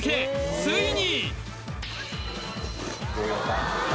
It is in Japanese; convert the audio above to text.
ついに！